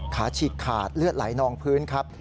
ฉีกขาดเลือดไหลนองพื้นครับ